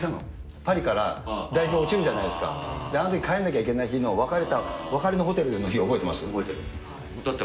パリから代表落ちるじゃないですか、あのとき、帰んなきゃいけない日の、別れた、覚えてる。